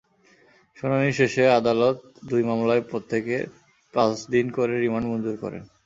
শুনানি শেষে আদালত দুই মামলায় প্রত্যেকের পাঁচ দিন করে রিমান্ড মঞ্জুর করেন।